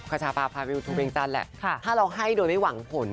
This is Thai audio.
คชาปาภายในวิทยุทธิ์เพลงจันทร์แหละถ้าเราให้โดยไม่หวังผล